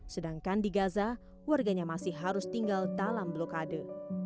sedangkan di gaza warganya masih harus tinggal dalam blokade